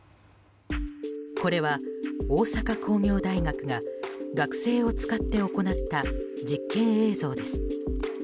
これは大阪工業大学が学生を使って行った実験映像です。